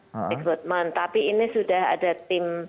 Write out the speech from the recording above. rekrutmen tapi ini sudah ada tim